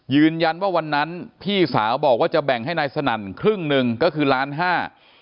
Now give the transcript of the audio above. ยืนยันว่าวันนั้นพี่สาวบอกว่าจะแบ่งให้นายสนั่นครึ่งหนึ่งก็คือล้านห้า